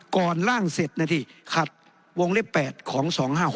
ร่างเสร็จนะที่ขัดวงเล็บ๘ของ๒๕๖